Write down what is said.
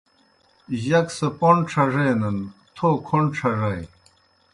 جک سہ پوْن ڇھڙینَن، تھو کھوْݨ ڇھڙَئے